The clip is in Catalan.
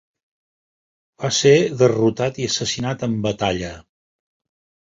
Va ser derrotat i assassinat en batalla.